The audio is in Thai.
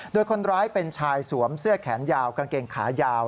โดยคนร้ายเป็นชายสวมเสื้อแขนยาวกางเกงขายาว